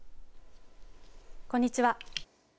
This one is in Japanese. こんにちは。